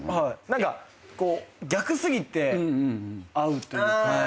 何か逆すぎて合うというか。